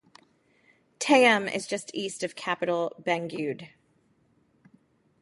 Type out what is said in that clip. Tayum is just east of capital Bangued.